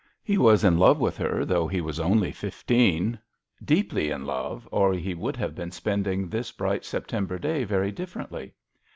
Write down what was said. He was in love with her, though he was only fif teen — deeply in love, or he would have been spending this bright September day very differently.